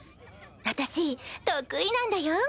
私得意なんだよ。